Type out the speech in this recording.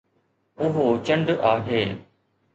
اهو چنڊ آهي